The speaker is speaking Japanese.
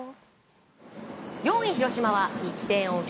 ４位、広島は１点を追う